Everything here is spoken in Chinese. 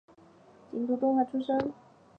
京都动画出身。